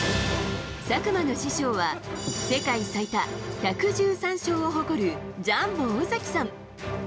佐久間の師匠は、世界最多１１３勝を誇るジャンボ尾崎さん。